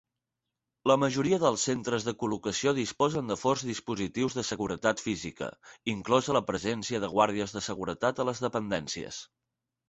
La majoria dels centres de col·locació disposen de forts dispositius de seguretat física, inclosa la presència de guàrdies de seguretat a les dependències.